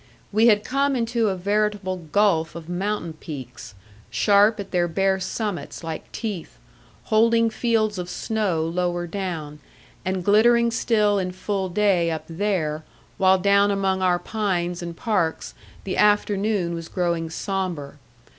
We had come into a veritable gulf of mountain peaks, sharp at their bare summits like teeth, holding fields of snow lower down, and glittering still in full day up there, while down among our pines and parks the afternoon was growing sombre.